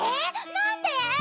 なんで？